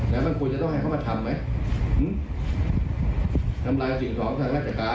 แล้วมันควรจะต้องให้เขามาทำไหมทำลายสิ่งของทางราชการ